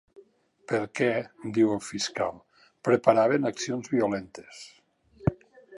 Perquè, diu el fiscal, ‘preparaven accions violentes’.